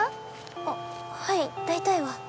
あっはい大体は。